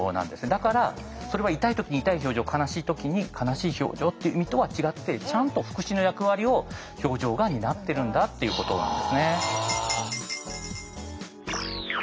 だからそれは痛い時に痛い表情悲しい時に悲しい表情っていう意味とは違ってちゃんと副詞の役割を表情が担ってるんだっていうことなんですね。